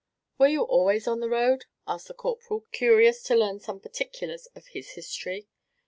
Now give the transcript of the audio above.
"Were you always on the road?" asked the Corporal, curious to learn some particulars of his history.